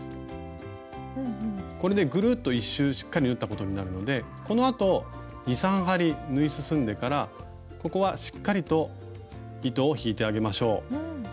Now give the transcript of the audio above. これでぐるっと１周しっかり縫ったことになるのでこのあと２３針縫い進んでからここはしっかりと糸を引いてあげましょう。